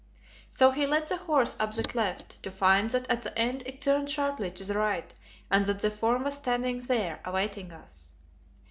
So he led the horse up the cleft, to find that at the end it turned sharply to the right and that the form was standing there awaiting us.